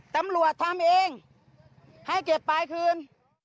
ตำรวจทำเองให้เก็บปลายคืน